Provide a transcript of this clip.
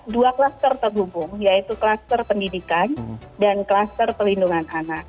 dua klaster terhubung yaitu kluster pendidikan dan kluster pelindungan anak